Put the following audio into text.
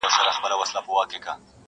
ما د خپل جانان د کوڅې لوری پېژندلی دی،